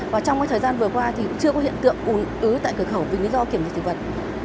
và trong thời gian vừa qua thì cũng chưa có hiện tượng ùn ứ tại cửa khẩu vì lý do kiểm dịch thực vật